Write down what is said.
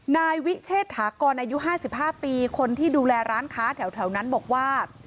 นายวิเชษฐากรอายุ๕๕ปีคนที่ดูแลร้านค้าแถวนั้นบอกว่า